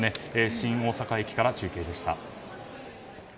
新大阪駅から中継でした。